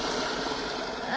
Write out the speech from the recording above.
あ。